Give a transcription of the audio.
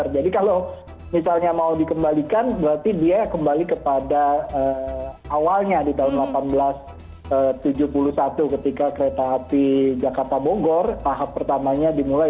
jadi kalau misalnya mau dikembalikan berarti dia kembali kepada awalnya di tahun seribu delapan ratus tujuh puluh satu ketika kereta api jakarta bogor tahap pertamanya dimulai